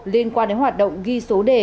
liên quan đến hoạt động ghi số đề